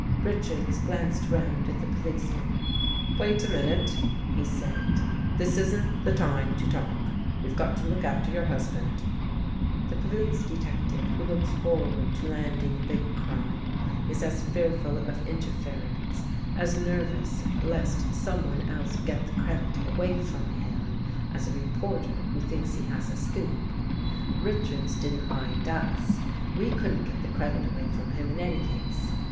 ..." Richards glanced round at the policeman. " Wait a minute," he said. " This isn't the time to talk. We've got to look after your husband." The police detective who looks forward to land ing a big crime is as fearful of interference, as nerv ous lest someone else get the credit away from him 127 THE GHOST GIRL as a reporter who thinks he has a scoop. Richards didn't mind us. We couldn't get the credit away from him in any case.